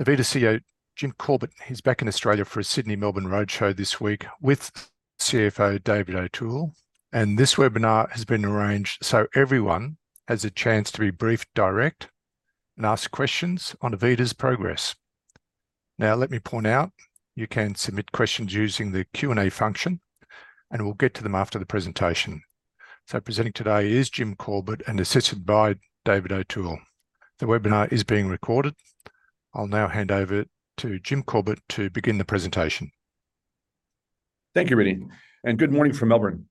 AVITA CEO Jim Corbett is back in Australia for a Sydney-Melbourne roadshow this week with CFO David O'Toole. This webinar has been arranged so everyone has a chance to be brief, direct, and ask questions on AVITA's progress. Now, let me point out, you can submit questions using the Q&A function, and we'll get to them after the presentation. So presenting today is Jim Corbett and assisted by David O'Toole. The webinar is being recorded. I'll now hand over to Jim Corbett to begin the presentation. Thank you, Rudy. Good morning from Melbourne.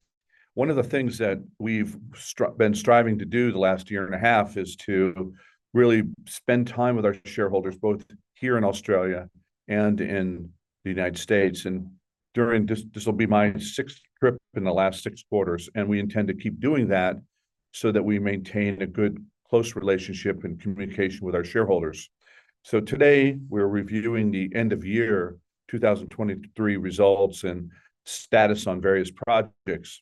One of the things that we've been striving to do the last year and a half is to really spend time with our shareholders, both here in Australia and in the United States. And during this, this will be my sixth trip in the last six quarters, and we intend to keep doing that so that we maintain a good close relationship and communication with our shareholders. Today we're reviewing the end-of-year 2023 results and status on various projects.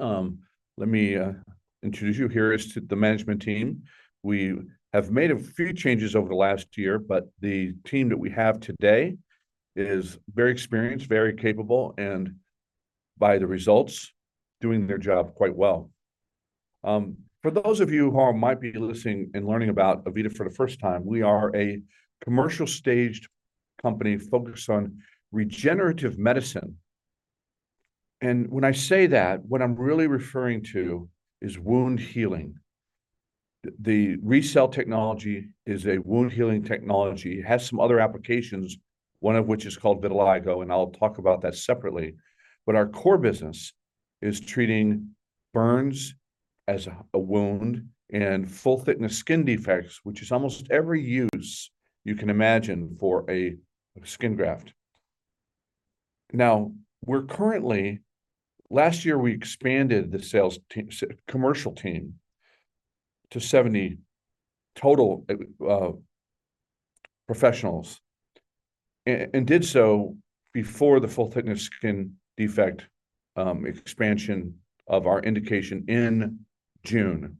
Let me introduce you here is to the management team. We have made a few changes over the last year, but the team that we have today is very experienced, very capable, and by the results, doing their job quite well. For those of you who might be listening and learning about AVITA for the first time, we are a commercial-staged company focused on regenerative medicine. And when I say that, what I'm really referring to is wound healing. The RECELL technology is a wound healing technology. It has some other applications, one of which is called vitiligo, and I'll talk about that separately. But our core business is treating burns as a wound and full-thickness skin defects, which is almost every use you can imagine for a skin graft. Now, last year we expanded the sales commercial team to 70 total professionals. And did so before the full-thickness skin defect expansion of our indication in June.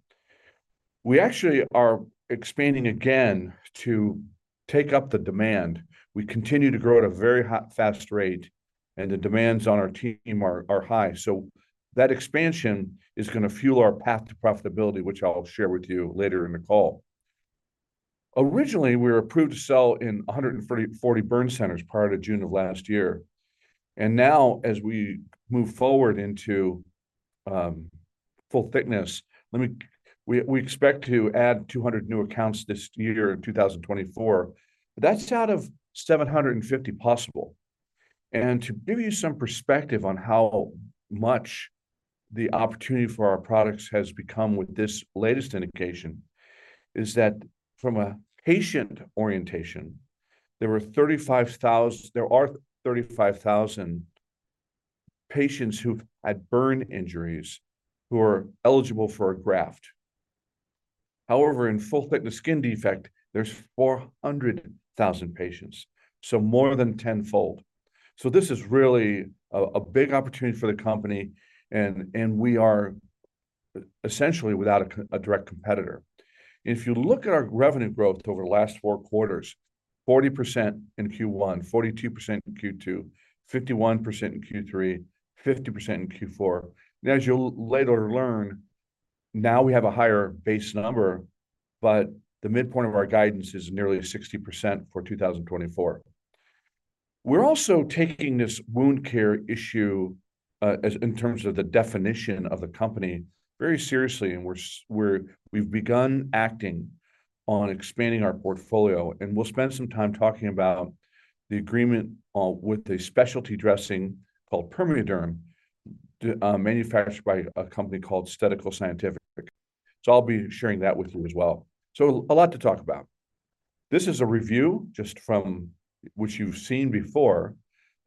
We actually are expanding again to take up the demand. We continue to grow at a very fast rate, and the demands on our team are high. So that expansion is going to fuel our path to profitability, which I'll share with you later in the call. Originally, we were approved to sell in 140 burn centers prior to June of last year. Now as we move forward into full-thickness, we expect to add 200 new accounts this year in 2024. But that's out of 750 possible. To give you some perspective on how much the opportunity for our products has become with this latest indication is that from a patient orientation, there are 35,000 patients who had burn injuries who are eligible for a graft. However, in full-thickness skin defect, there's 400,000 patients. So more than tenfold. So this is really a big opportunity for the company, and we are essentially without a direct competitor. If you look at our revenue growth over the last four quarters, 40% in Q1, 42% in Q2, 51% in Q3, 50% in Q4. And as you'll later learn, now we have a higher base number, but the midpoint of our guidance is nearly 60% for 2024. We're also taking this wound care issue in terms of the definition of the company very seriously, and we've begun acting on expanding our portfolio, and we'll spend some time talking about the agreement with a specialty dressing called PermeaDerm manufactured by a company called Stedical Scientific. So I'll be sharing that with you as well. So a lot to talk about. This is a review just from which you've seen before,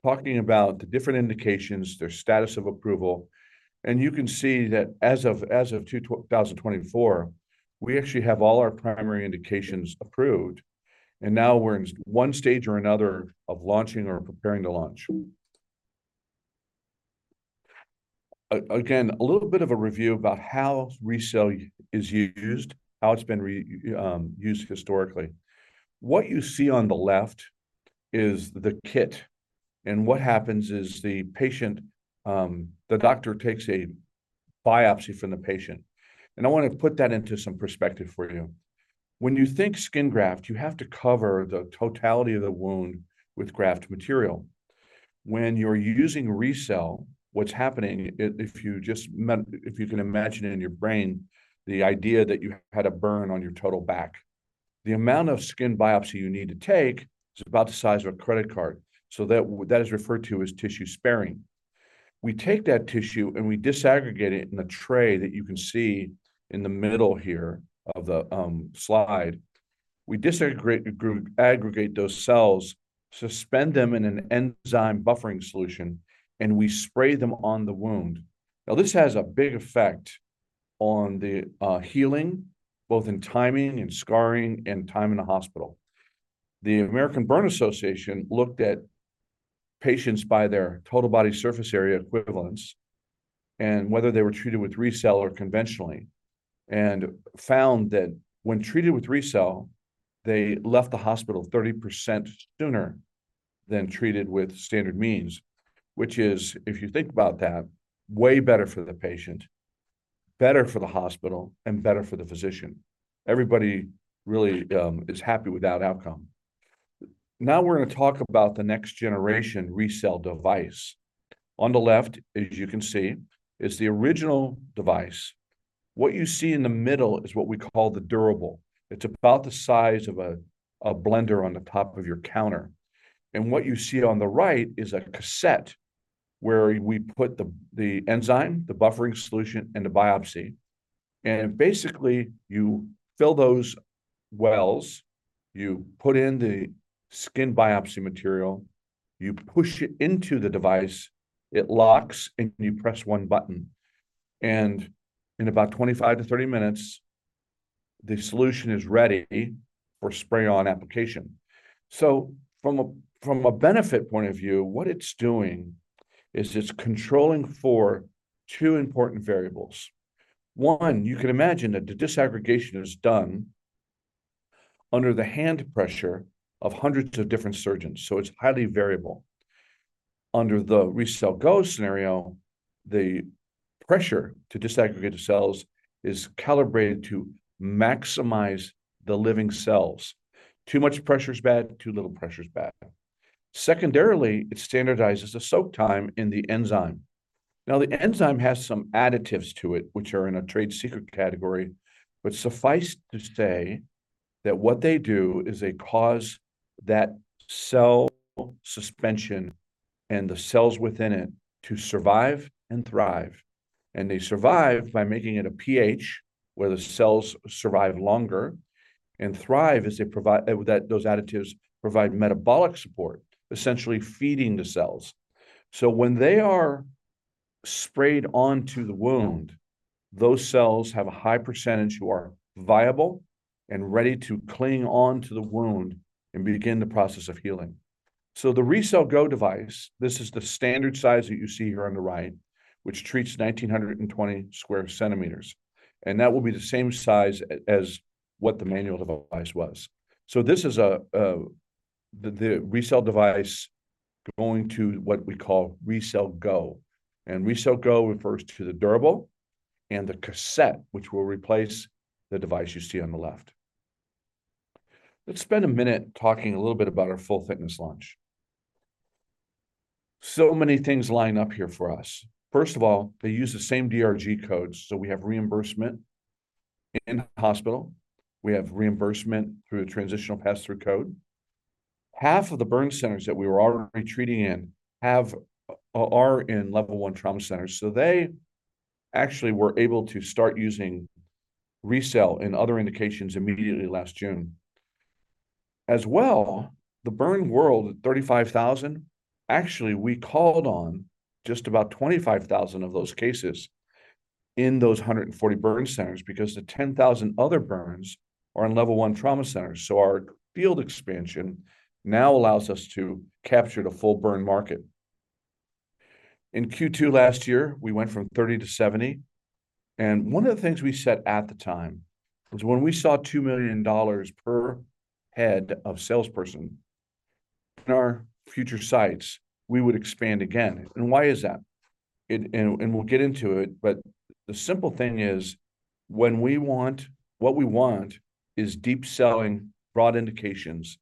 talking about the different indications, their status of approval. And you can see that as of 2024, we actually have all our primary indications approved. Now we're in one stage or another of launching or preparing to launch. Again, a little bit of a review about how RECELL is used, how it's been used historically. What you see on the left is the kit. What happens is the patient the doctor takes a biopsy from the patient. I want to put that into some perspective for you. When you think skin graft, you have to cover the totality of the wound with graft material. When you're using RECELL, what's happening if you just can imagine in your brain the idea that you had a burn on your total back. The amount of skin biopsy you need to take is about the size of a credit card. So that is referred to as tissue sparing. We take that tissue and we disaggregate it in a tray that you can see in the middle here of the slide. We disaggregate those cells, suspend them in an enzyme buffering solution, and we spray them on the wound. Now this has a big effect on the healing, both in timing and scarring and time in the hospital. The American Burn Association looked at patients by their total body surface area equivalence, whether they were treated with RECELL or conventionally, and found that when treated with RECELL, they left the hospital 30% sooner than treated with standard means, which is if you think about that, way better for the patient. Better for the hospital and better for the physician. Everybody really is happy with that outcome. Now we're going to talk about the next-generation RECELL device. On the left, as you can see, is the original device. What you see in the middle is what we call the durable. It's about the size of a blender on the top of your counter. What you see on the right is a cassette where we put the enzyme, the buffering solution, and the biopsy. Basically you fill those wells. You put in the skin biopsy material. You push it into the device. It locks and you press one button. In about 25-30 minutes, the solution is ready for spray-on application. From a benefit point of view, what it's doing is it's controlling for two important variables. One, you can imagine that the disaggregation is done under the hand pressure of hundreds of different surgeons. So it's highly variable. Under the RECELL GO scenario, the pressure to disaggregate the cells is calibrated to maximize the living cells. Too much pressure is bad, too little pressure is bad. Secondarily, it standardizes the soak time in the enzyme. Now the enzyme has some additives to it, which are in a trade secret category, but suffice to say that what they do is they cause that cell suspension and the cells within it to survive and thrive. And they survive by making it a pH where the cells survive longer. And thrive is they provide that those additives provide metabolic support, essentially feeding the cells. So when they are sprayed onto the wound, those cells have a high percentage who are viable and ready to cling onto the wound and begin the process of healing. So the RECELL GO device, this is the standard size that you see here on the right, which treats 1,920 square centimeters. And that will be the same size as what the manual device was. So this is the RECELL device going to what we call RECELL GO. And RECELL GO refers to the durable. And the cassette, which will replace the device you see on the left. Let's spend a minute talking a little bit about our full-thickness launch. So many things line up here for us. First of all, they use the same DRG codes, so we have reimbursement. In the hospital, we have reimbursement through the transitional pass-through code. Half of the burn centers that we were already treating in are in level one trauma centers, so they actually were able to start using RECELL in other indications immediately last June. As well, the burn world at 35,000, actually we called on just about 25,000 of those cases in those 140 burn centers because the 10,000 other burns are in level one trauma centers, so our field expansion now allows us to capture the full burn market. In Q2 last year, we went from 30 to 70. One of the things we set at the time was when we saw $2 million per head of salesperson. In our future sites, we would expand again. Why is that? We'll get into it, but the simple thing is when we want what we want is deep selling broad indications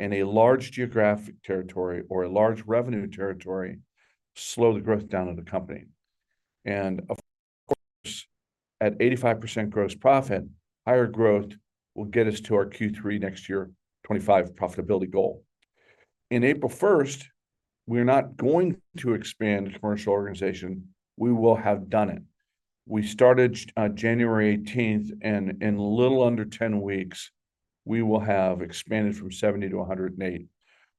in a large geographic territory or a large revenue territory slow the growth down of the company. Of course, at 85% gross profit, higher growth will get us to our Q3 next year 25% profitability goal. In April 1st, we're not going to expand the commercial organization. We will have done it. We started January 18th and in little under 10 weeks, we will have expanded from 70 to 108.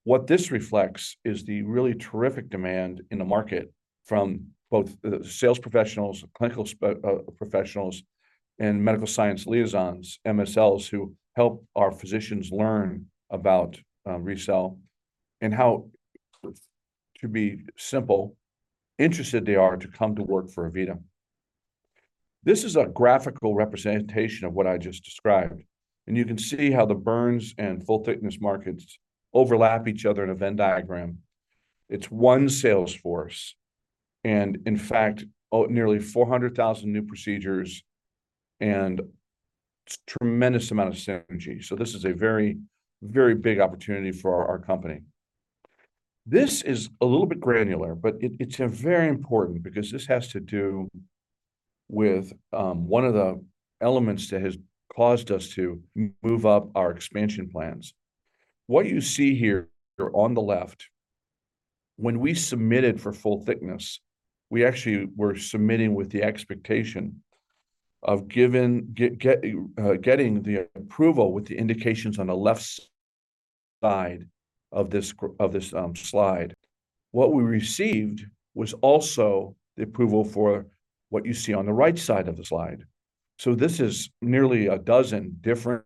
What this reflects is the really terrific demand in the market from both the sales professionals, clinical professionals, and medical science liaisons, MSLs who help our physicians learn about RECELL. And how simply interested they are to come to work for AVITA. This is a graphical representation of what I just described. You can see how the burns and full-thickness markets overlap each other in a Venn diagram. It's one sales force. In fact, nearly 400,000 new procedures. Tremendous amount of synergy. So this is a very, very big opportunity for our company. This is a little bit granular, but it's very important because this has to do with one of the elements that has caused us to move up our expansion plans. What you see here on the left. When we submitted for full thickness, we actually were submitting with the expectation of getting the approval with the indications on the left side of this slide. What we received was also the approval for what you see on the right side of the slide. So this is nearly a dozen different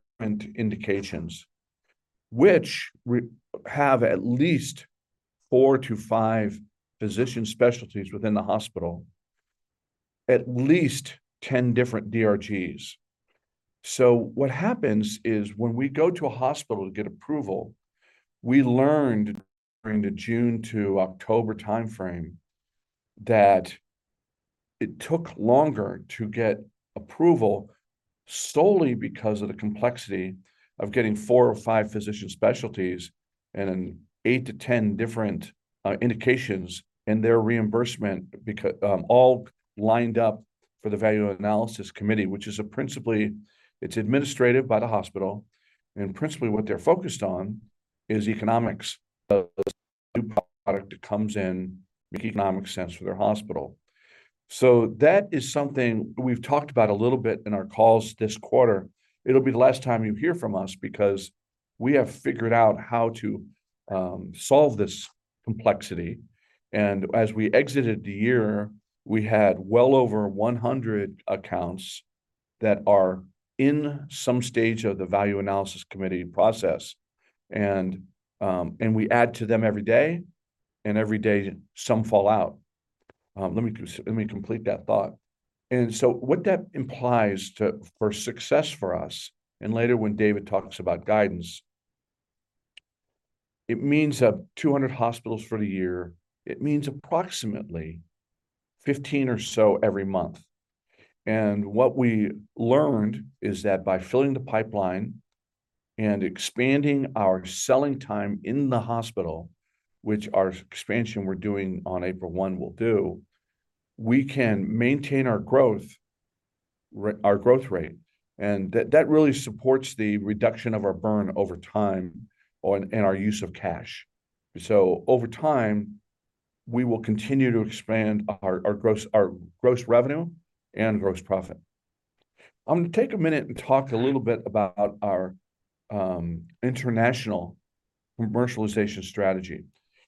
indications, which have at least 4-5 physician specialties within the hospital. At least 10 different DRGs. So what happens is when we go to a hospital to get approval, we learned during the June to October timeframe that it took longer to get approval solely because of the complexity of getting 4 or 5 physician specialties and 8-10 different indications and their reimbursement all lined up for the Value Analysis Committee, which is principally it's administrative by the hospital. Principally what they're focused on is economics. A new product that comes in makes economic sense for their hospital. That is something we've talked about a little bit in our calls this quarter. It'll be the last time you hear from us because we have figured out how to solve this complexity. As we exited the year, we had well over 100 accounts that are in some stage of the Value Analysis Committee process. We add to them every day. And every day some fall out. Let me complete that thought. And so what that implies for success for us and later when David talks about guidance. It means 200 hospitals for the year. It means approximately 15 or so every month. And what we learned is that by filling the pipeline and expanding our selling time in the hospital, which our expansion we're doing on April 1 will do. We can maintain our growth rate. And that really supports the reduction of our burn over time and our use of cash. So over time, we will continue to expand our gross revenue and gross profit. I'm going to take a minute and talk a little bit about our international commercialization strategy.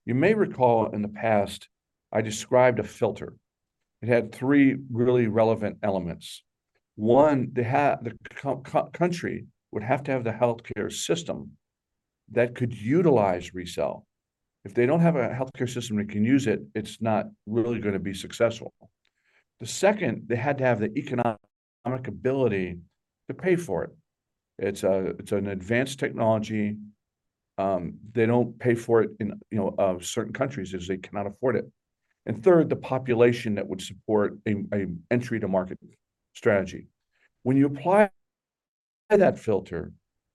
You may recall in the past, I described a filter. It had three really relevant elements. One, the country would have to have the healthcare system that could utilize RECELL. If they don't have a healthcare system that can use it, it's not really going to be successful. The second, they had to have the economic ability to pay for it. It's an advanced technology. They don't pay for it in certain countries as they cannot afford it. And third, the population that would support an entry to market strategy. When you apply that filter,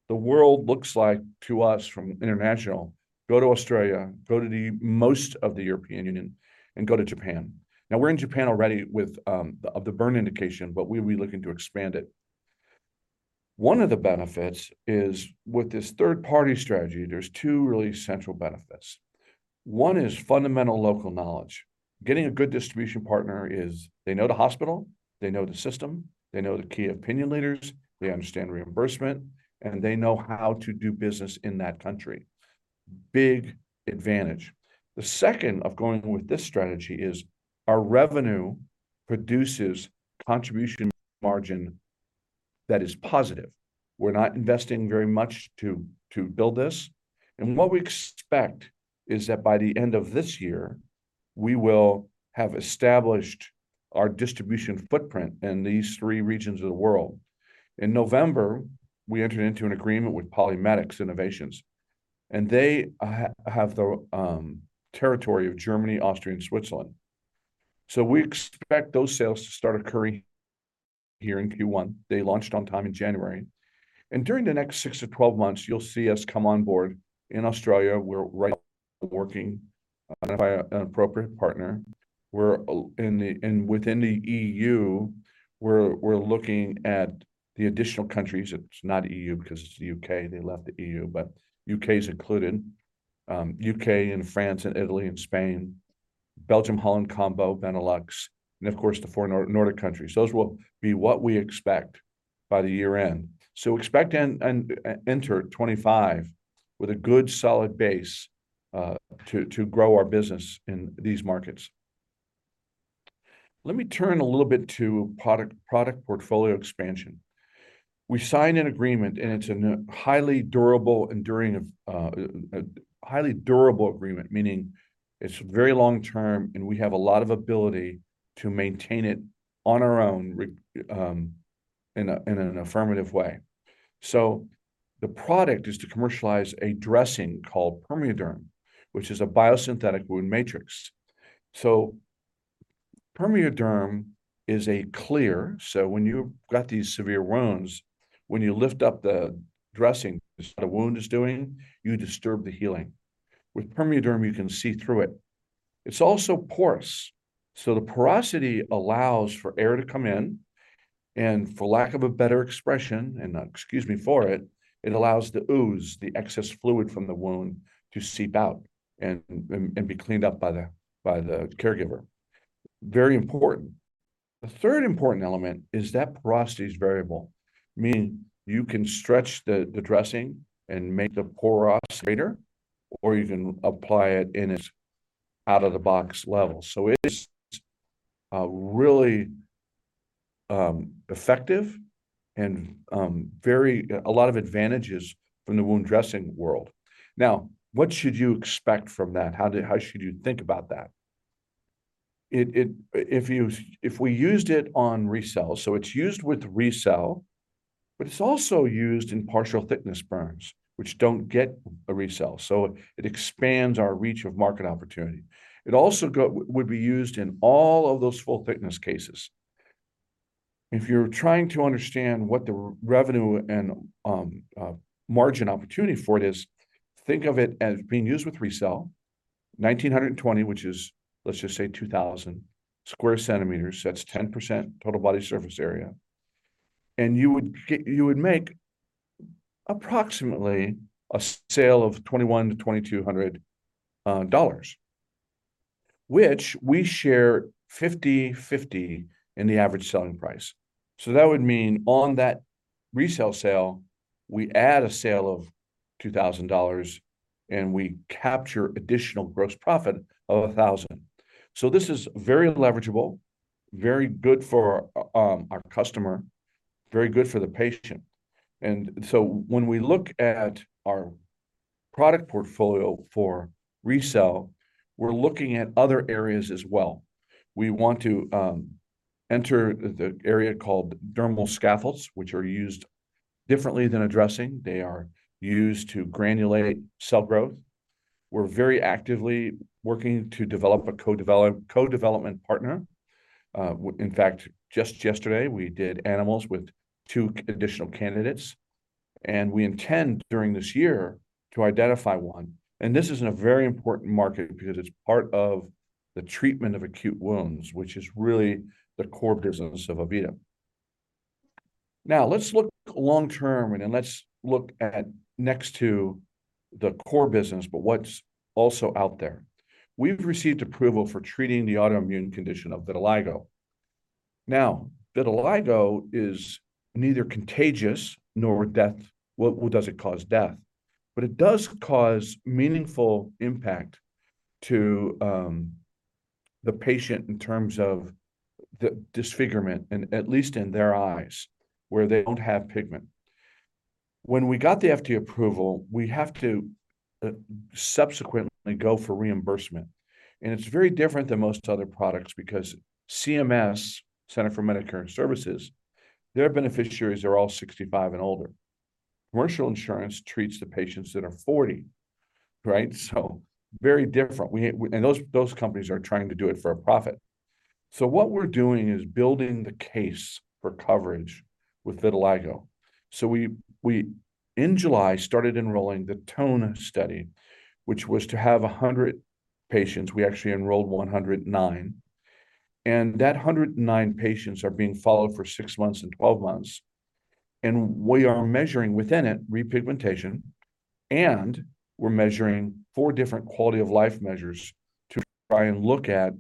the world looks like to us from international, go to Australia, go to most of the European Union, and go to Japan. Now we're in Japan already with the burn indication, but we'll be looking to expand it. One of the benefits is with this third-party strategy, there's two really central benefits. One is fundamental local knowledge. Getting a good distribution partner is that they know the hospital, they know the system, they know the key opinion leaders, they understand reimbursement, and they know how to do business in that country. Big advantage. The second of going with this strategy is our revenue produces contribution margin that is positive. We're not investing very much to build this. What we expect is that by the end of this year, we will have established our distribution footprint in these three regions of the world. In November, we entered into an agreement with PolyMedics Innovations. They have the territory of Germany, Austria, and Switzerland. So we expect those sales to start occurring here in Q1. They launched on time in January. During the next 6-12 months, you'll see us come on board in Australia. We're right now working with an appropriate partner. We're within the EU. We're looking at the additional countries. It's not E.U. because it's the U.K. They left the E.U., but U.K. is included. U.K. and France and Italy and Spain. Belgium, Holland, combo, Benelux, and of course the four Nordic countries. Those will be what we expect by the year-end. So expect and enter 2025 with a good solid base to grow our business in these markets. Let me turn a little bit to product portfolio expansion. We signed an agreement and it's a highly durable enduring of highly durable agreement, meaning it's very long-term and we have a lot of ability to maintain it on our own in an affirmative way. So the product is to commercialize a dressing called PermeaDerm, which is a biosynthetic wound matrix. So PermeaDerm is a clear so when you've got these severe wounds, when you lift up the dressing that the wound is doing, you disturb the healing. With PermeaDerm, you can see through it. It's also porous. So the porosity allows for air to come in. And for lack of a better expression and excuse me for it, it allows the ooze, the excess fluid from the wound to seep out and be cleaned up by the caregiver. Very important. The third important element is that porosity is variable. Meaning you can stretch the dressing and make the poros greater. Or you can apply it in its out-of-the-box level. So it's really effective and very a lot of advantages from the wound dressing world. Now, what should you expect from that? How should you think about that? If we used it on RECELL, so it's used with RECELL, but it's also used in partial thickness burns, which don't get a RECELL. So it expands our reach of market opportunity. It also would be used in all of those full-thickness cases. If you're trying to understand what the revenue and margin opportunity for it is, think of it as being used with RECELL. 1,920, which is let's just say 2,000 square centimeters, that's 10% total body surface area. And you would make approximately a sale of $21,000-$22,000. Which we share 50/50 in the average selling price. So that would mean on that RECELL sale, we add a sale of $2,000 and we capture additional gross profit of $1,000. So this is very leverageable. Very good for our customer. Very good for the patient. And so when we look at our product portfolio for RECELL, we're looking at other areas as well. We want to enter the area called dermal scaffolds, which are used differently than a dressing. They are used to granulate cell growth. We're very actively working to develop a co-development partner. In fact, just yesterday, we did animals with two additional candidates. And we intend during this year to identify one. And this is a very important market because it's part of the treatment of acute wounds, which is really the core business of AVITA. Now, let's look long-term and let's look at next to the core business, but what's also out there. We've received approval for treating the autoimmune condition of vitiligo. Now, vitiligo is neither contagious nor death. What does it cause death? But it does cause meaningful impact to the patient in terms of the disfigurement, at least in their eyes, where they don't have pigment. When we got the FDA approval, we have to subsequently go for reimbursement. It's very different than most other products because CMS, Centers for Medicare and Medicaid Services, their beneficiaries are all 65 and older. Commercial insurance treats the patients that are 40, right? What we're doing is building the case for coverage with vitiligo. In July, we started enrolling the TONE Study, which was to have 100 patients. We actually enrolled 109. That 109 patients are being followed for 6 months and 12 months. We are measuring within it repigmentation. We're measuring 4 different quality of life measures to try and look at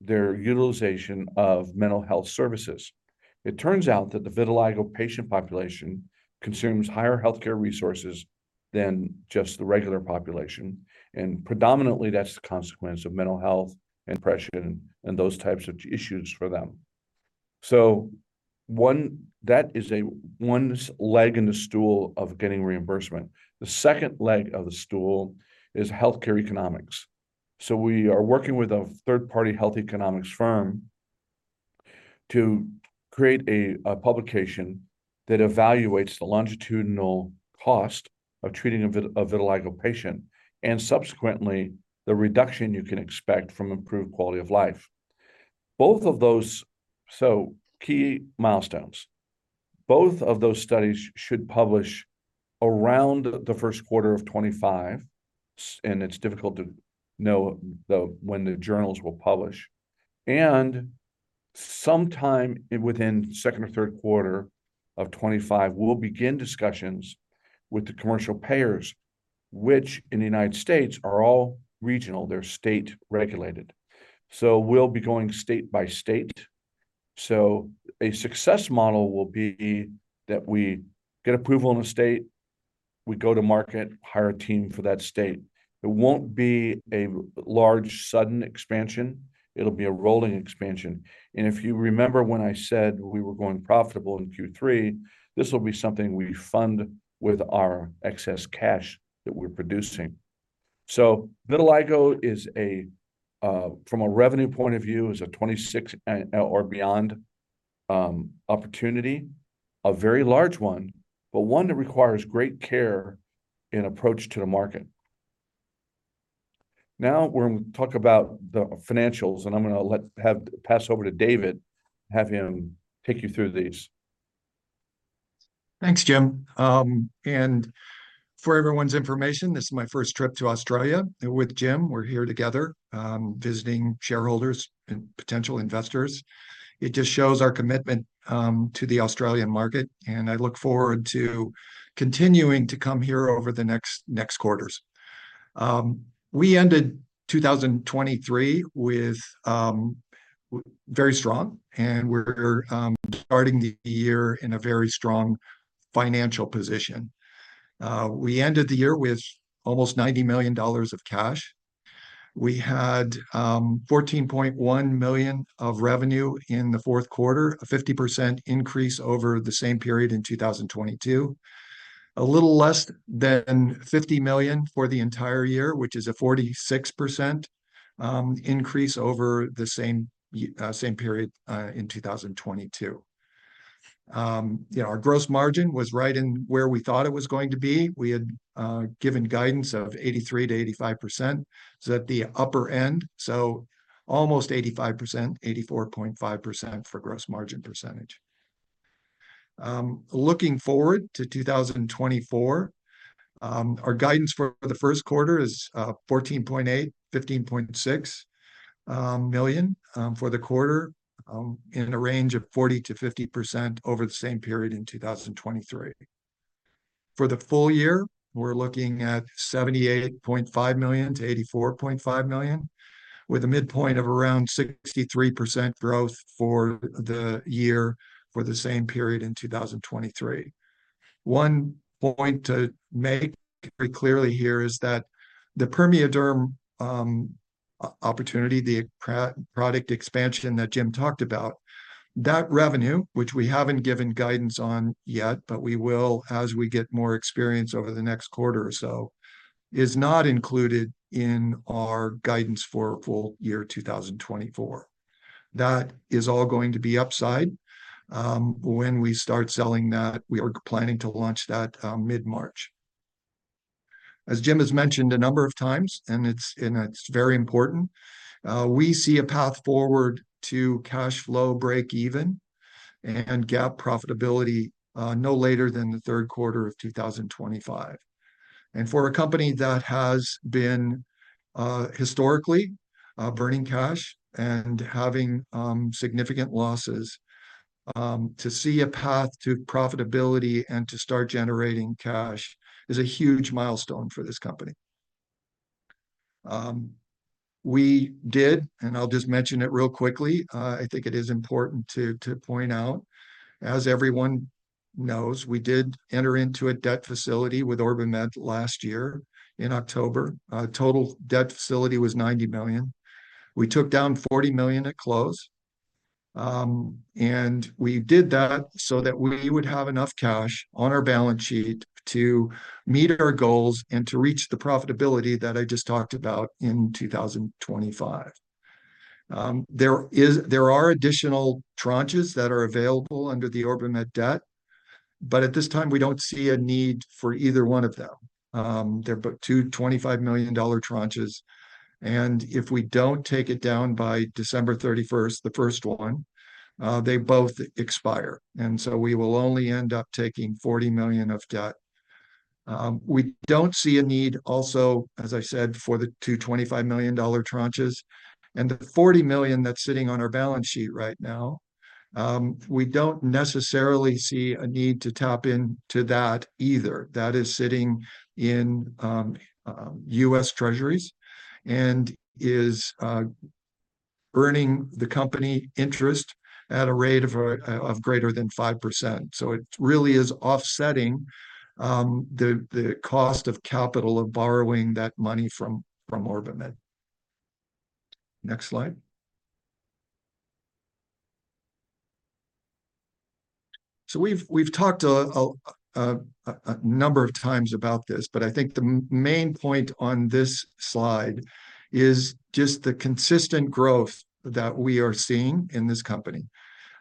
their utilization of mental health services. It turns out that the vitiligo patient population consumes higher healthcare resources than just the regular population. And predominantly, that's the consequence of mental health and depression and those types of issues for them. So that is one leg in the stool of getting reimbursement. The second leg of the stool is healthcare economics. So we are working with a third-party health economics firm to create a publication that evaluates the longitudinal cost of treating a vitiligo patient and subsequently the reduction you can expect from improved quality of life. Both of those so key milestones. Both of those studies should publish around the first quarter of 2025. And it's difficult to know when the journals will publish. Sometime within the second or third quarter of 2025, we'll begin discussions with the commercial payers, which in the United States are all regional. They're state regulated. We'll be going state by state. A success model will be that we get approval in a state. We go to market, hire a team for that state. It won't be a large sudden expansion. It'll be a rolling expansion. If you remember when I said we were going profitable in Q3, this will be something we fund with our excess cash that we're producing. Vitiligo is a, from a revenue point of view, is a 2026 or beyond opportunity. A very large one, but one that requires great care in approach to the market. Now we're going to talk about the financials and I'm going to pass over to David, have him take you through these. Thanks, Jim. For everyone's information, this is my first trip to Australia with Jim. We're here together, visiting shareholders and potential investors. It just shows our commitment to the Australian market and I look forward to continuing to come here over the next quarters. We ended 2023 with very strong and we're starting the year in a very strong financial position. We ended the year with almost $90 million of cash. We had $14.1 million of revenue in the fourth quarter, a 50% increase over the same period in 2022. A little less than $50 million for the entire year, which is a 46% increase over the same period in 2022. Our gross margin was right in where we thought it was going to be. We had given guidance of 83%-85%. So at the upper end, so almost 85%, 84.5% for gross margin percentage. Looking forward to 2024, our guidance for the first quarter is $14.8-$15.6 million for the quarter, in a range of 40%-50% over the same period in 2023. For the full year, we're looking at $78.5 million-$84.5 million, with a midpoint of around 63% growth for the year for the same period in 2023. One point to make very clearly here is that the PermeaDerm opportunity, the product expansion that Jim talked about, that revenue, which we haven't given guidance on yet, but we will as we get more experience over the next quarter or so, is not included in our guidance for full year 2024. That is all going to be upside. When we start selling that, we are planning to launch that mid-March. As Jim has mentioned a number of times and it's very important, we see a path forward to cash flow break-even and GAAP profitability no later than the third quarter of 2025. For a company that has been historically burning cash and having significant losses, to see a path to profitability and to start generating cash is a huge milestone for this company. We did, and I'll just mention it real quickly, I think it is important to point out. As everyone knows, we did enter into a debt facility with OrbiMed last year in October. Total debt facility was $90 million. We took down $40 million at close. And we did that so that we would have enough cash on our balance sheet to meet our goals and to reach the profitability that I just talked about in 2025. There are additional tranches that are available under the OrbiMed debt. But at this time, we don't see a need for either one of them. They're two $25 million tranches. And if we don't take it down by December 31st, the first one, they both expire. And so we will only end up taking $40 million of debt. We don't see a need also, as I said, for the two $25 million tranches. And the $40 million that's sitting on our balance sheet right now, we don't necessarily see a need to tap into that either. That is sitting in U.S. Treasuries and is earning the company interest at a rate of greater than 5%. So it really is offsetting the cost of capital of borrowing that money from OrbiMed. Next slide. So we've talked a number of times about this, but I think the main point on this slide is just the consistent growth that we are seeing in this company.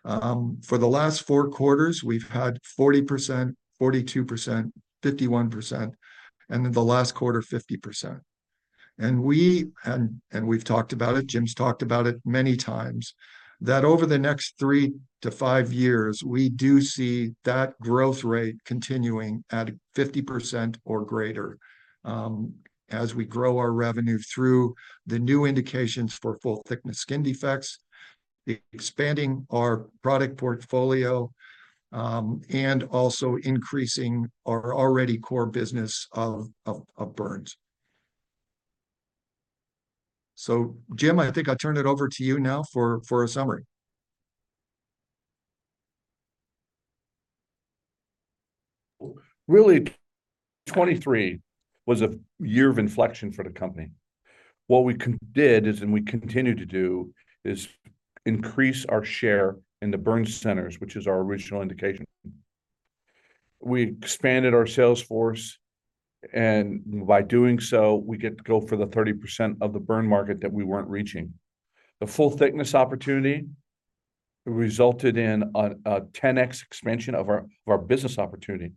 For the last four quarters, we've had 40%, 42%, 51%, and then the last quarter, 50%. And we've talked about it, Jim's talked about it many times, that over the next three to five years, we do see that growth rate continuing at 50% or greater as we grow our revenue through the new indications for full-thickness skin defects, expanding our product portfolio, and also increasing our already core business of burns. So Jim, I think I'll turn it over to you now for a summary. Really, 2023 was a year of inflection for the company. What we did is, and we continue to do, is increase our share in the burn centers, which is our original indication. We expanded our sales force. By doing so, we get to go for the 30% of the burn market that we weren't reaching. The full-thickness opportunity resulted in a 10x expansion of our business opportunity.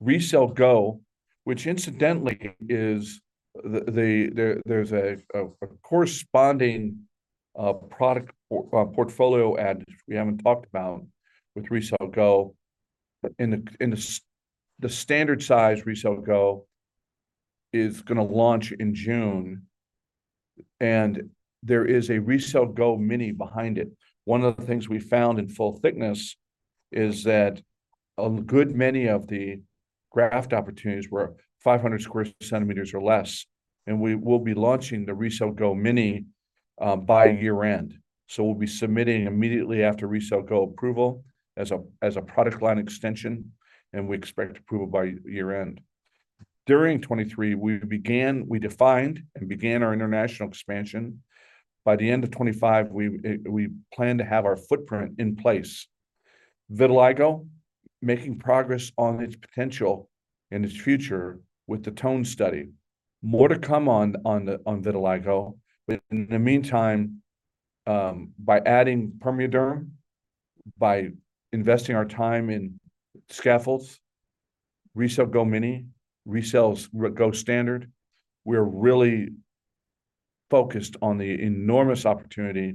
RECELL GO, which incidentally is, there's a corresponding product portfolio and we haven't talked about with RECELL GO. The standard size RECELL GO is going to launch in June. There is a RECELL GO Mini behind it. One of the things we found in full-thickness is that a good many of the graft opportunities were 500 sq cm or less. We will be launching the RECELL GO Mini by year-end. So we'll be submitting immediately after RECELL GO approval as a product line extension. We expect approval by year-end. During 2023, we defined and began our international expansion. By the end of 2025, we plan to have our footprint in place. Vitiligo, making progress on its potential and its future with the TONE Study. More to come on Vitiligo. But in the meantime, by adding PermeaDerm, by investing our time in scaffolds, RECELL GO Mini, RECELL GO Standard, we're really focused on the enormous opportunity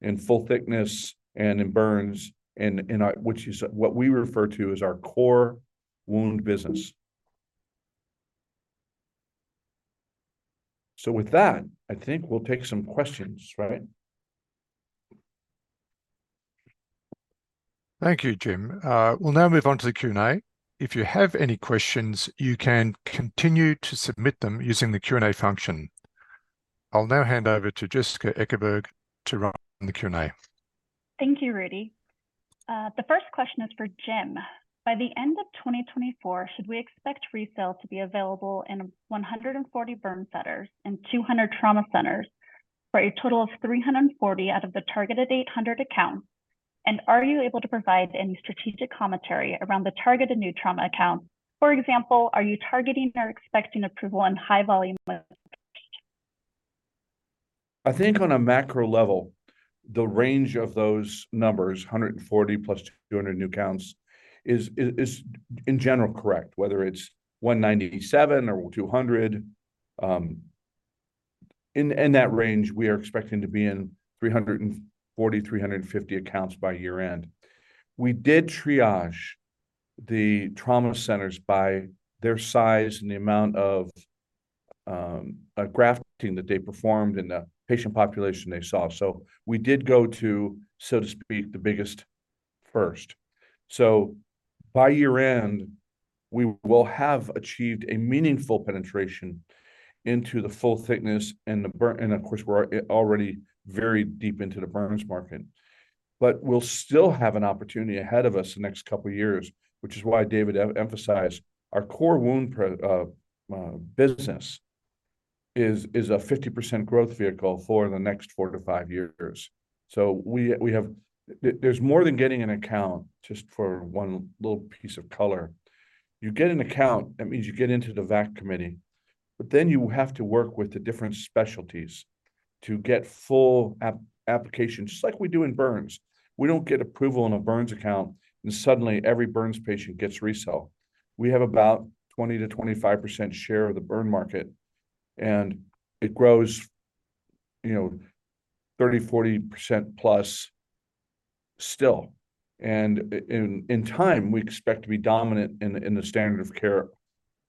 in full-thickness and in burns, which is what we refer to as our core wound business. So with that, I think we'll take some questions, right? Thank you, Jim. We'll now move on to the Q&A. If you have any questions, you can continue to submit them using the Q&A function. I'll now hand over to Jessica Ekeberg to run the Q&A. Thank you, Rudy. The first question is for Jim. By the end of 2024, should we expect RECELL to be available in 140 burn centers and 200 trauma centers for a total of 340 out of the targeted 800 accounts? And are you able to provide any strategic commentary around the targeted new trauma accounts? For example, are you targeting or expecting approval in high-volume? I think on a macro level, the range of those numbers, 140 + 200 new accounts, is in general correct, whether it's 197 or 200. In that range, we are expecting to be in 340-350 accounts by year-end. We did triage the trauma centers by their size and the amount of grafting that they performed and the patient population they saw. So we did go to, so to speak, the biggest first. So by year-end, we will have achieved a meaningful penetration into the full-thickness and the burn and of course, we're already very deep into the burns market. But we'll still have an opportunity ahead of us the next couple of years, which is why David emphasized our core wound business is a 50% growth vehicle for the next 4-5 years. So there's more than getting an account just for one little piece of color. You get an account, that means you get into the VAC committee. But then you have to work with the different specialties to get full application, just like we do in burns. We don't get approval on a burns account and suddenly every burns patient gets RECELL. We have about 20%-25% share of the burn market. And it grows 30%-40%+ still. And in time, we expect to be dominant in the standard of care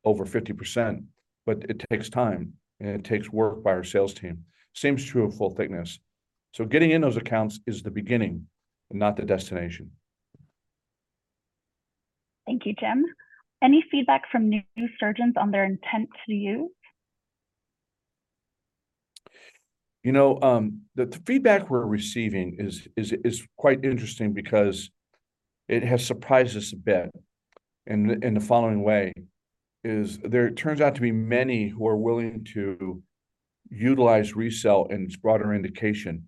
over 50%. But it takes time and it takes work by our sales team. Same is true of full-thickness. So getting in those accounts is the beginning, not the destination. Thank you, Jim. Any feedback from new surgeons on their intent to use? You know, the feedback we're receiving is quite interesting because it has surprised us a bit in the following way. There turns out to be many who are willing to utilize RECELL and its broader indication.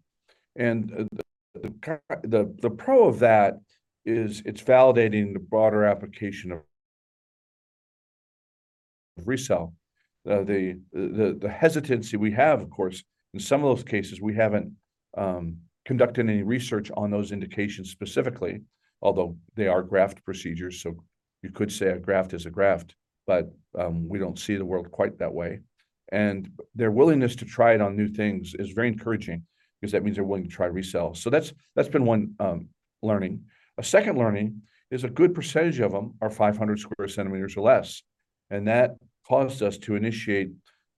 And the pro of that is it's validating the broader application of RECELL. The hesitancy we have, of course, in some of those cases, we haven't conducted any research on those indications specifically, although they are graft procedures, so you could say a graft is a graft, but we don't see the world quite that way. And their willingness to try it on new things is very encouraging because that means they're willing to try RECELL. So that's been one learning. A second learning is a good percentage of them are 500 square centimeters or less. That caused us to initiate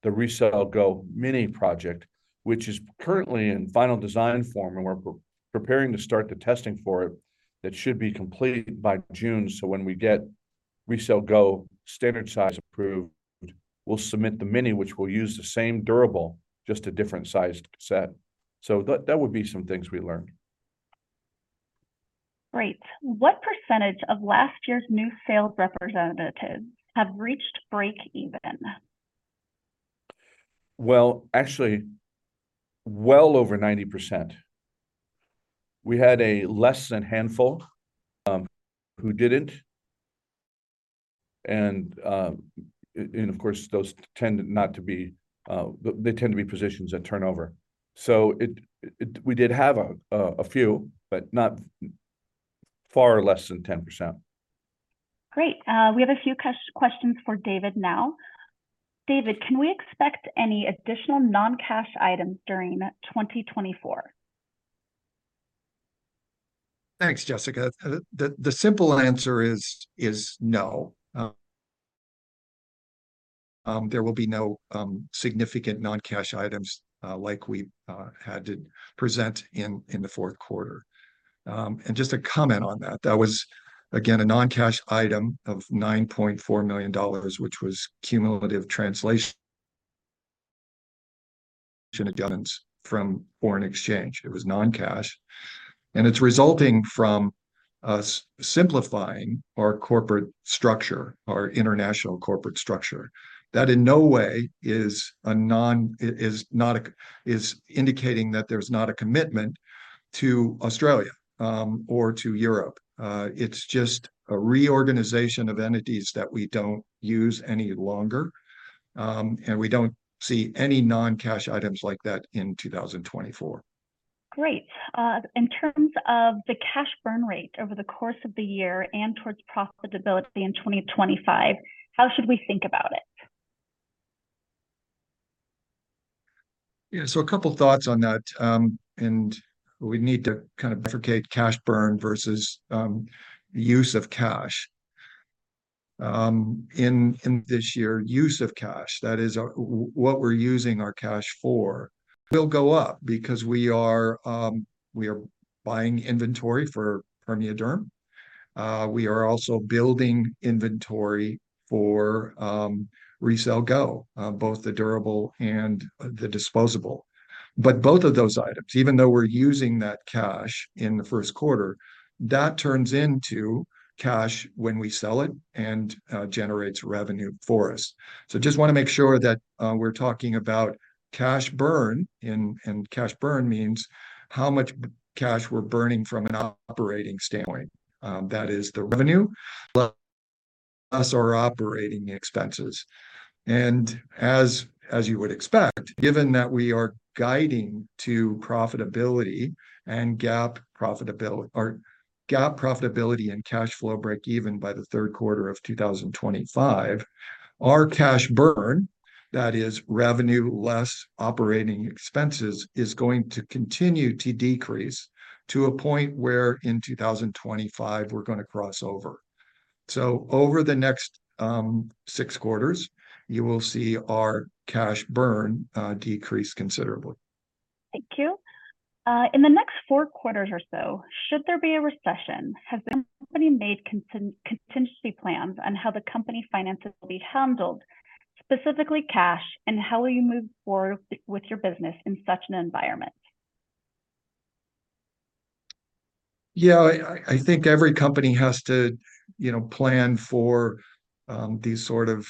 the RECELL GO Mini project, which is currently in final design form and we're preparing to start the testing for it that should be complete by June. So when we get RECELL GO standard size approved, we'll submit the mini, which will use the same durable, just a different sized set. So that would be some things we learned. Great. What percentage of last year's new sales representatives have reached break-even? Well, actually, well over 90%. We had a less than handful who didn't. And of course, those tend not to be. They tend to be positions that turnover. So we did have a few, but not far less than 10%. Great. We have a few questions for David now. David, can we expect any additional non-cash items during 2024? Thanks, Jessica. The simple answer is no. There will be no significant non-cash items like we had to present in the fourth quarter. Just a comment on that. That was, again, a non-cash item of $9.4 million, which was cumulative translation adjustments from foreign exchange. It was non-cash. It's resulting from simplifying our corporate structure, our international corporate structure. That in no way is indicating that there's not a commitment to Australia or to Europe. It's just a reorganization of entities that we don't use any longer. We don't see any non-cash items like that in 2024. Great. In terms of the cash burn rate over the course of the year and towards profitability in 2025, how should we think about it? Yeah, so a couple of thoughts on that. We need to kind of bifurcate cash burn versus the use of cash. In this year, use of cash, that is what we're using our cash for, will go up because we are buying inventory for PermeaDerm. We are also building inventory for RECELL GO, both the durable and the disposable. But both of those items, even though we're using that cash in the first quarter, that turns into cash when we sell it and generates revenue for us. So just want to make sure that we're talking about cash burn. And cash burn means how much cash we're burning from an operating standpoint. That is the revenue, less our operating expenses. As you would expect, given that we are guiding to profitability and GAAP profitability or GAAP profitability and cash flow break-even by the third quarter of 2025, our cash burn, that is revenue less operating expenses, is going to continue to decrease to a point where in 2025, we're going to cross over. Over the next six quarters, you will see our cash burn decrease considerably. Thank you. In the next four quarters or so, should there be a recession, has the company made contingency plans on how the company finances will be handled, specifically cash, and how will you move forward with your business in such an environment? Yeah, I think every company has to plan for these sort of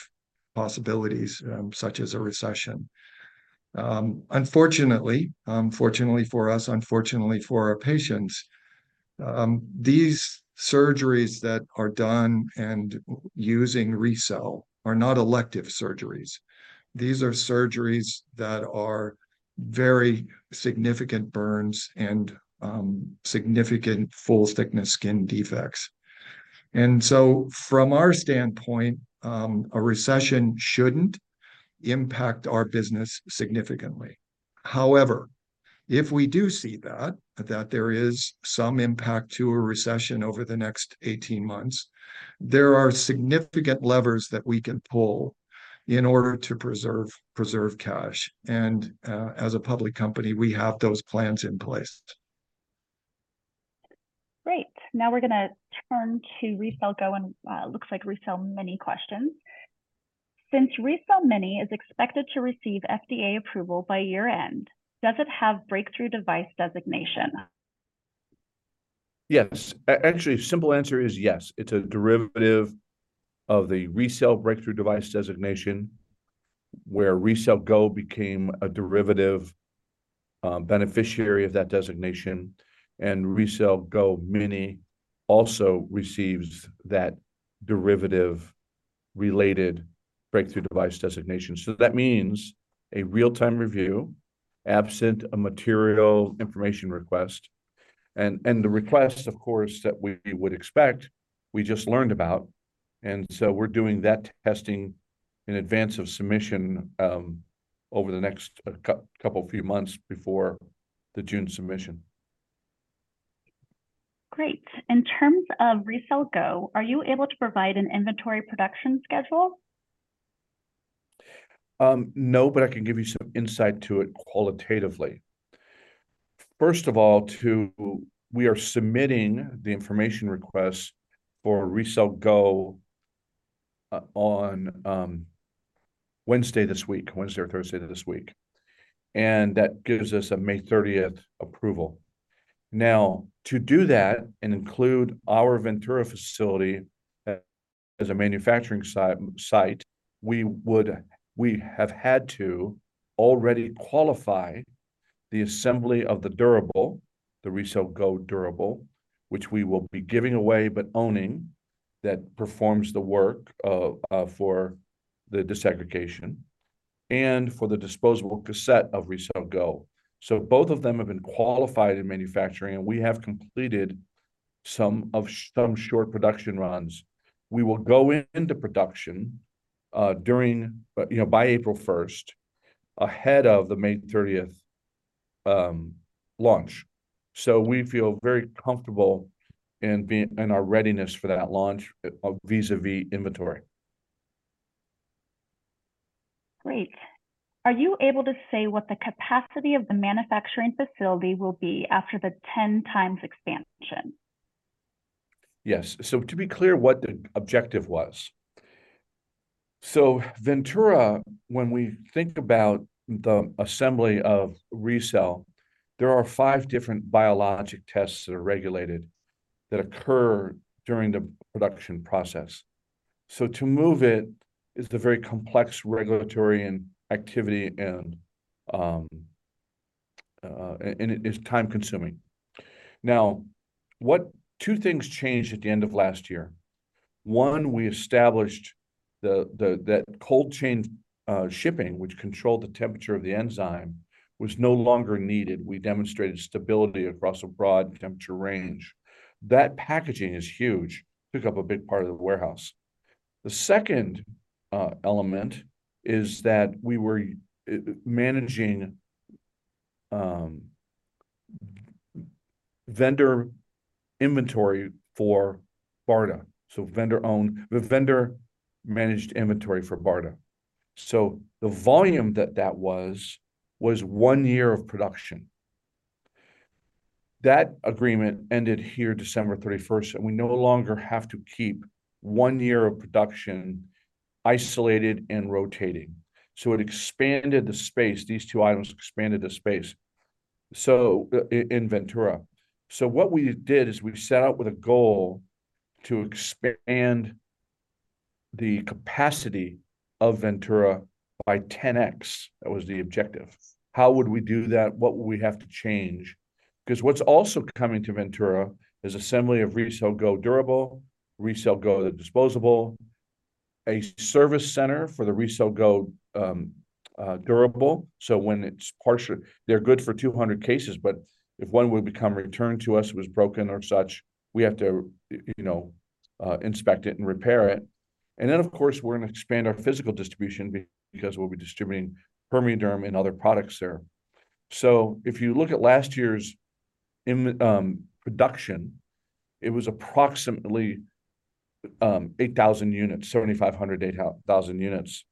possibilities, such as a recession. Unfortunately, fortunately for us, unfortunately for our patients, these surgeries that are done and using RECELL are not elective surgeries. These are surgeries that are very significant burns and significant full-thickness skin defects. From our standpoint, a recession shouldn't impact our business significantly. However, if we do see that, that there is some impact to a recession over the next 18 months, there are significant levers that we can pull in order to preserve cash. As a public company, we have those plans in place. Great. Now we're going to turn to RECELL GO and looks like RECELL GO Mini questions. Since RECELL GO Mini is expected to receive FDA approval by year-end, does it have breakthrough device designation? Yes. Actually, the simple answer is yes. It's a derivative of the RECELL breakthrough device designation, where RECELL GO became a derivative beneficiary of that designation. And RECELL GO Mini also receives that derivative-related breakthrough device designation. So that means a real-time review, absent a material information request. And the request, of course, that we would expect, we just learned about. And so we're doing that testing in advance of submission over the next couple of few months before the June submission. Great. In terms of RECELL GO, are you able to provide an inventory production schedule? No, but I can give you some insight to it qualitatively. First of all, we are submitting the information request for RECELL GO on Wednesday this week, Wednesday or Thursday of this week. And that gives us a May 30th approval. Now, to do that and include our Ventura facility as a manufacturing site, we have had to already qualify the assembly of the durable, the RECELL GO durable, which we will be giving away but owning, that performs the work for the disaggregation and for the disposable cassette of RECELL GO. So both of them have been qualified in manufacturing, and we have completed some short production runs. We will go into production by April 1st ahead of the May 30th launch. So we feel very comfortable in our readiness for that launch vis-à-vis inventory. Great. Are you able to say what the capacity of the manufacturing facility will be after the 10x expansion? Yes. So to be clear what the objective was. So Ventura, when we think about the assembly of RECELL, there are five different biologic tests that are regulated that occur during the production process. So to move it is a very complex regulatory activity and it's time-consuming. Now, two things changed at the end of last year. One, we established that cold chain shipping, which controlled the temperature of the enzyme, was no longer needed. We demonstrated stability across a broad temperature range. That packaging is huge. Took up a big part of the warehouse. The second element is that we were managing vendor inventory for BARDA. So vendor-owned, the vendor managed inventory for BARDA. So the volume that that was, was one year of production. That agreement ended here, December 31st, and we no longer have to keep one year of production isolated and rotating. So it expanded the space. These two items expanded the space in Ventura. So what we did is we set out with a goal to expand the capacity of Ventura by 10x. That was the objective. How would we do that? What would we have to change? Because what's also coming to Ventura is assembly of RECELL GO durable, RECELL GO the disposable, a service center for the RECELL GO durable. So when it's partial, they're good for 200 cases, but if one would become returned to us, it was broken or such, we have to inspect it and repair it. And then, of course, we're going to expand our physical distribution because we'll be distributing PermeaDerm and other products there. So if you look at last year's production, it was approximately 8,000 units, 7,500, 8,000 units,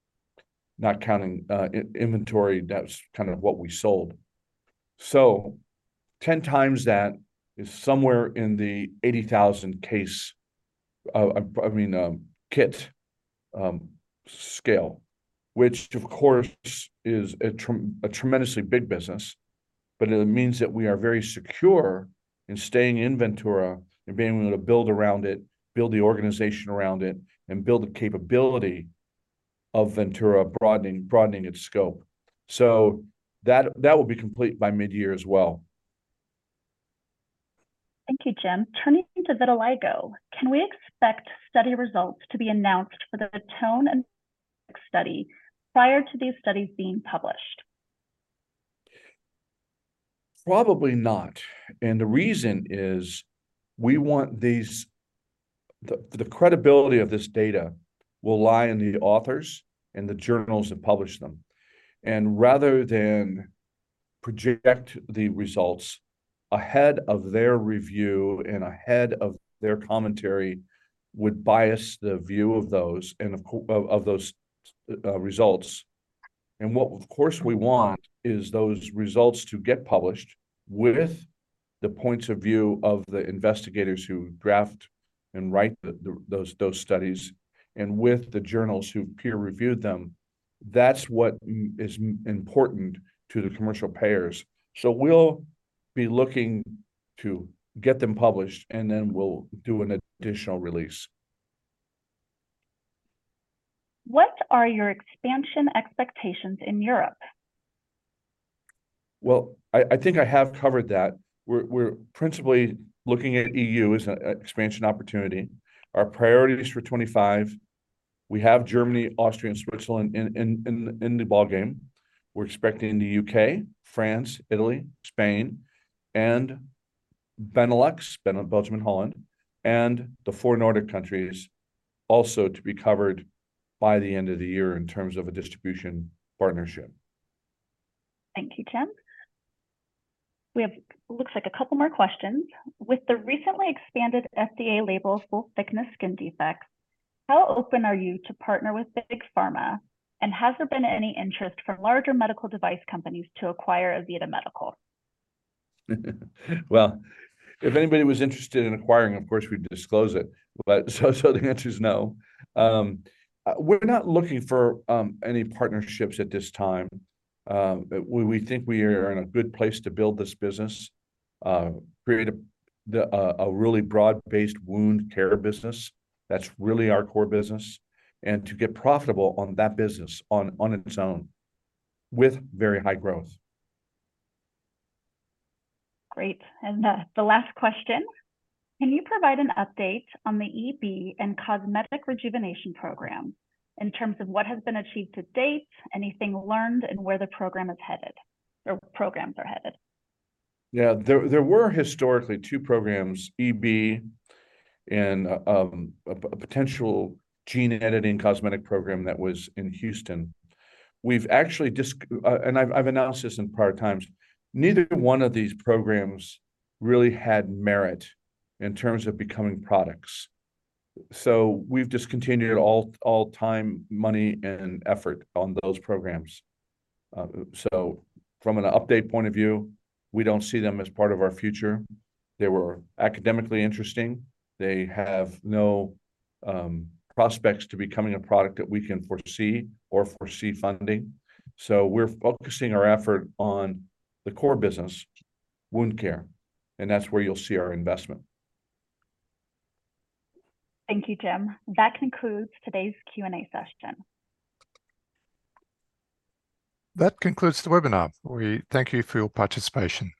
not counting inventory. That was kind of what we sold. So 10 times that is somewhere in the 80,000 case, I mean, kit scale, which, of course, is a tremendously big business. But it means that we are very secure in staying in Ventura and being able to build around it, build the organization around it, and build the capability of Ventura, broadening its scope. So that will be complete by mid-year as well. Thank you, Jim. Turning to vitiligo, can we expect study results to be announced for the TONE Study prior to these studies being published? Probably not. The reason is we want the credibility of this data will lie in the authors and the journals that published them. Rather than project the results ahead of their review and ahead of their commentary would bias the view of those results. What, of course, we want is those results to get published with the points of view of the investigators who draft and write those studies and with the journals who've peer-reviewed them. That's what is important to the commercial payers. So we'll be looking to get them published, and then we'll do an additional release. What are your expansion expectations in Europe? Well, I think I have covered that. We're principally looking at EU as an expansion opportunity. Our priorities for 2025, we have Germany, Austria, and Switzerland in the ballgame. We're expecting the UK, France, Italy, Spain, and Benelux, Belgium and Holland, and the four Nordic countries also to be covered by the end of the year in terms of a distribution partnership. Thank you, Jim. We have, looks like, a couple more questions. With the recently expanded FDA label full-thickness skin defects, how open are you to partner with big pharma? And has there been any interest for larger medical device companies to acquire AVITA Medical? Well, if anybody was interested in acquiring, of course, we'd disclose it. But so the answer is no. We're not looking for any partnerships at this time. We think we are in a good place to build this business, create a really broad-based wound care business. That's really our core business. And to get profitable on that business on its own with very high growth. Great. The last question, can you provide an update on the EB and cosmetic rejuvenation program in terms of what has been achieved to date, anything learned, and where the program is headed or programs are headed? Yeah, there were historically two programs, EB and a potential gene editing cosmetic program that was in Houston. We've actually, and I've announced this in prior times. Neither one of these programs really had merit in terms of becoming products. So we've discontinued all time, money, and effort on those programs. So from an update point of view, we don't see them as part of our future. They were academically interesting. They have no prospects to becoming a product that we can foresee or foresee funding. So we're focusing our effort on the core business, wound care. And that's where you'll see our investment. Thank you, Jim. That concludes today's Q&A session. That concludes the webinar. We thank you for your participation.